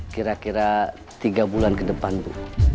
kira kira tiga bulan ke depan bu